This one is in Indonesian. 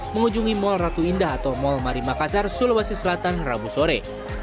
mengunjungi mall ratu indah atau mal mari makassar sulawesi selatan rabu sore